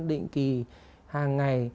định kỳ hàng ngày